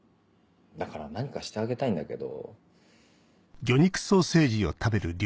だから何かしてあげたいんだけど。